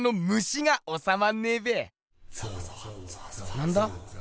なんだ？